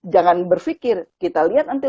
jangan berfikir kita lihat